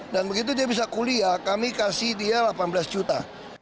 dan begitu dia bisa kuliah kami kasih dia delapan belas juta